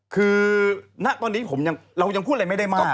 คือณตอนนี้ผมเรายังพูดอะไรไม่ได้มาก